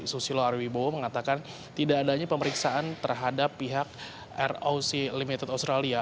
susilo arwibowo mengatakan tidak adanya pemeriksaan terhadap pihak roc limited australia